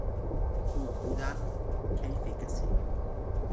کوک بودن کیف کسی